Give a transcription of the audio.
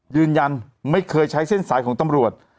ยืนยันไม่เคยใช้เส้นสายของตำรวจ